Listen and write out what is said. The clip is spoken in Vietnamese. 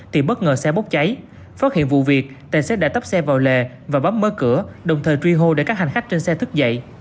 thì bất ngờ xe bốc cháy phát hiện vụ việc tài xế đã tấp xe vào lề và bấm mở cửa đồng thời truy hô để các hành khách trên xe thức dậy